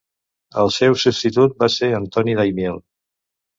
El seu substitut va ser Antoni Daimiel.